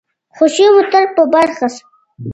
خوښي مو تل په برخه شه.